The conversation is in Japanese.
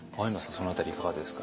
その辺りいかがですか？